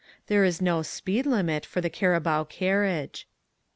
There is no "speed limit" for the carabao carriage.